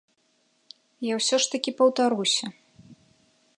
Я ўсё ж такі паўтаруся.